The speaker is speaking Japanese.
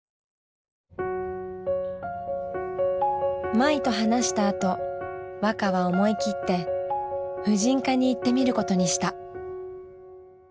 まいと話したあとわかは思い切って婦人科に行ってみることにした。